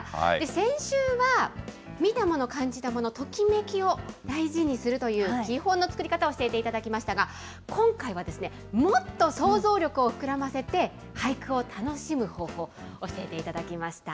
先週は、見たもの、感じたもの、ときめきを大事にするという基本の作り方を教えていただきましたが、今回はもっと想像力を膨らませて、俳句を楽しむ方法、教えていただきました。